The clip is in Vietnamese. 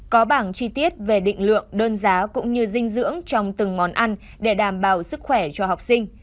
có bảng chi tiết về định lượng đơn giá cũng như dinh dưỡng trong từng món ăn để đảm bảo sức khỏe cho học sinh